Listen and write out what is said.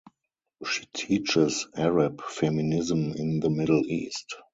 She teaches Arab feminism in the Middle East.